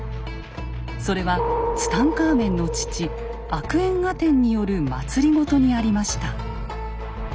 それはツタンカーメンの父アクエンアテンによる政にありました。